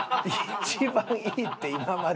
一番いいって今までで。